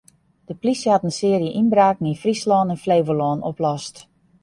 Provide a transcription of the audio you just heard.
De polysje hat in searje ynbraken yn Fryslân en Flevolân oplost.